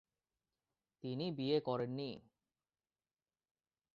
তিনি বিয়ে করেননি।